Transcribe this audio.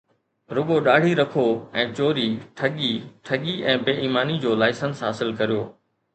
رڳو ڏاڙهي رکو ۽ چوري، ٺڳي، ٺڳي ۽ بي ايماني جو لائسنس حاصل ڪريو